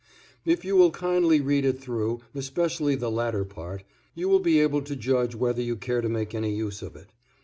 If you will kindly read it through, especially the latter part, you will be able to judge whether you care to make any use of it.